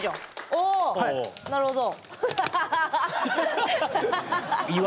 あなるほど。